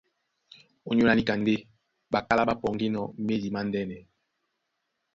Ónyólá níka ndé ɓakálá ɓá pɔŋgínɔ̄ médi mándɛ́nɛ.